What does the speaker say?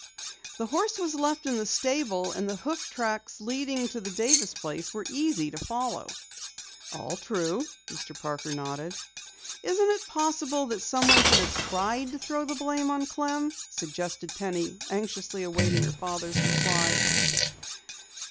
"The horse was left in the stable, and the hoof tracks leading to the Davis place were easy to follow." "All true," Mr. Parker nodded. "Isn't it possible that someone could have tried to throw the blame on Clem?" suggested Penny, anxiously awaiting her father's reply.